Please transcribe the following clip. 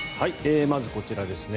まず、こちらですね。